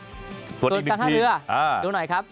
ส่วนอีกนึงทีตัวการท่าเรือดูหน่อยครับ